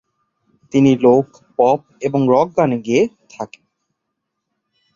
তিনি লোক, পপ এবং রক গান গেয়ে থাকেন।